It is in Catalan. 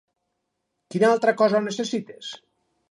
Quina altra cosa necessites?